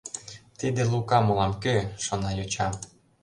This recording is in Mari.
«Тиде Лука мылам кӧ? — шона йоча.